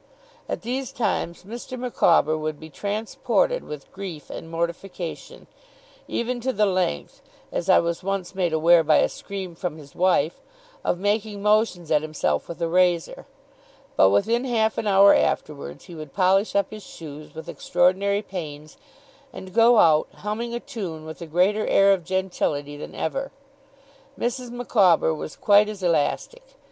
At these times, Mr. Micawber would be transported with grief and mortification, even to the length (as I was once made aware by a scream from his wife) of making motions at himself with a razor; but within half an hour afterwards, he would polish up his shoes with extraordinary pains, and go out, humming a tune with a greater air of gentility than ever. Mrs. Micawber was quite as elastic.